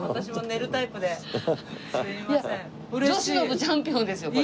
女子の部チャンピオンですよこれ。